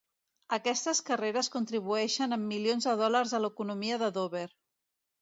Aquestes carreres contribueixen amb milions de dòlars a l'economia de Dover.